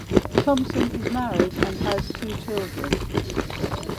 Thompson is married and has two children.